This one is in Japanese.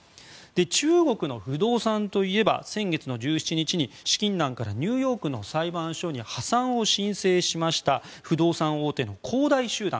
中国の不動産といえば先月１７日に資金難からニューヨークの裁判所に破産を申請しました不動産大手の恒大集団。